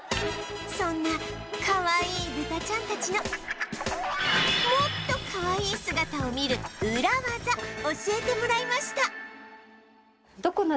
そんなかわいいブタちゃんたちのもっとかわいい姿を見るウラ技教えてもらいました